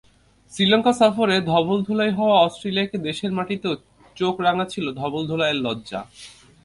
শ্রীলঙ্কা সফরে ধবলধোলাই হওয়া অস্ট্রেলিয়াকে দেশের মাটিতেও চোখ রাঙাছিল ধবলধোলাইয়ের লজ্জা।